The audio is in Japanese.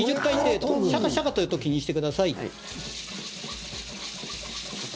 シャカシャカという音気にしてください。